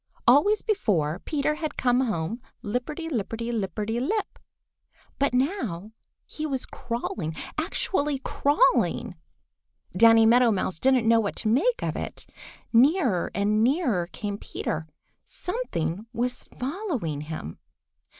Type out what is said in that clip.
Always before Peter had come home lipperty lipperty lipperty lip, but now he was crawling, actually crawling! Danny Meadow Mouse didn't know what to make of it. Nearer and nearer came Peter. Something was following him.